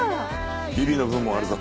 ビビの分もあるぞ。